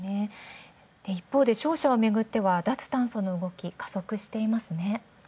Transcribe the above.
一方で商社をめぐっては脱炭素の動き加速していますね。